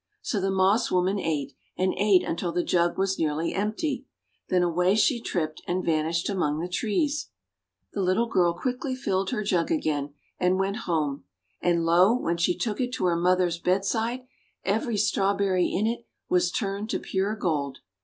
'5 So the Moss Woman ate, and ate until the jug was nearly empty; then away she tripped, and vanished among the trees. The little girl quickly filled her jug again, 202 THE WONDER GARDEN and went home. And, lo, when she took it to her mother's bedside, every Strawberry in it was turned to pure gold!